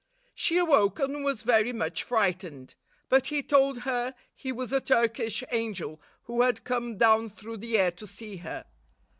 She awoke, and was very much frightened ; but he told her he was a Turkish angel who had come down through the air to see her.